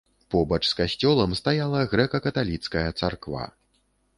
Побач з касцёлам стаяла грэка-каталіцкая царква.